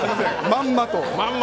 まんまと。